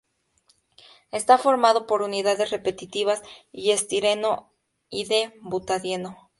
Está formado por unidades repetitivas de Estireno y de Butadieno.